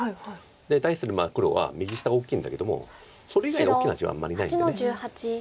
で対する黒は右下大きいんだけどもそれ以外の大きな地はあんまりないんで。